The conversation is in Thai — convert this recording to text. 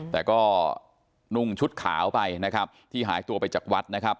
แต่ก็นุ่งชุดขาวไปนะครับที่หายตัวไปจากวัดนะครับ